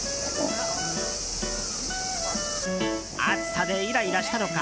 暑さでイライラしたのか